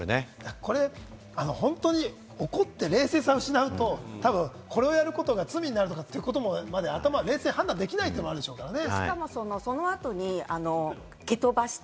これ本当に怒って、冷静さを失うと、多分、これをやることが罪になるということまで冷静に判断できないってこともあるでしょうからね。